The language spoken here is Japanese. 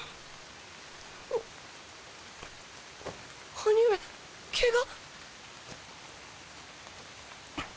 兄上ケガ。